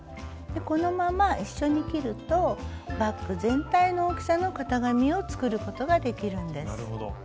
このまま一緒に切るとバッグ全体の大きさの型紙を作ることができるんです。